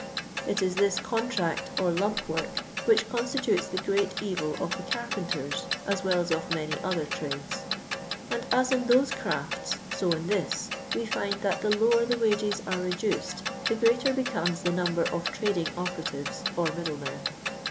It is this contract or lamp work which con stitutes tho great evil of the carpenter's^ as well as of many other trades ; and as in those crafts, BO in this, we find that the lower the wages are reduced the greater becomes the number of trading operatives or middlemen.